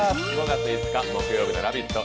５月５日木曜日の「ラヴィット！」